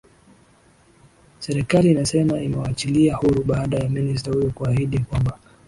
serekali inasema imemwachilia huru baada ya minister huyo kuhaidi kwamba